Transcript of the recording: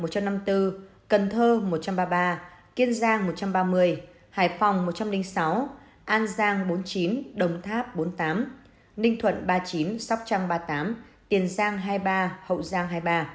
cần thơ một trăm ba mươi ba kiên giang một trăm ba mươi hải phòng một trăm linh sáu an giang bốn mươi chín đồng tháp bốn mươi tám ninh thuận ba mươi chín sóc trăng ba mươi tám tiền giang hai mươi ba hậu giang hai mươi ba